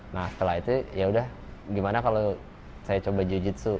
nah setelah itu yaudah gimana kalau saya coba jiu jitsu